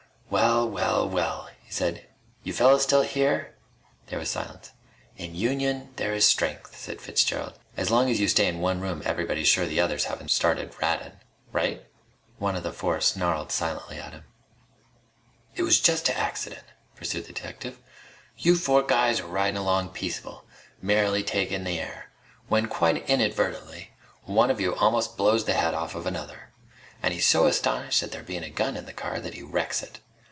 "Well, well, well!" he said. "You fellas still here!" There was silence. "In union there is strength," said Fitzgerald. "As long as you stay in one room everybody's sure the others haven't started rattin'. Right?" One of the four snarled silently at him. "It was just a accident," pursued the detective. "You four guys are ridin' along peaceable, merrily takin' the air, when quite inadvertently one of you almost blows the head off of another, and he's so astonished at there bein' a gun in the car that he wrecks it.